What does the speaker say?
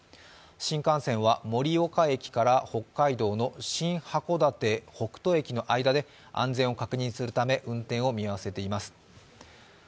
新幹線は盛岡駅から北海道の新函館北斗駅の間で安全を確認するため運転を見合わせています。